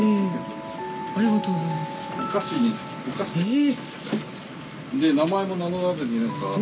え！